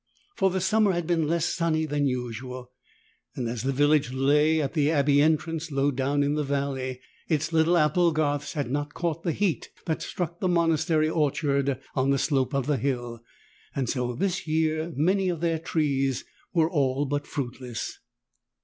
For the summer had been less sunny than usual, and as the village lay at the abbey entrance low down in the valley, its little apple garths had not caught the heat that struck the monastery orchard on the slope of the hill, and so this year many of their trees were all but fruitless.